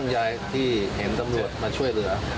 ดีใจภูมิใจ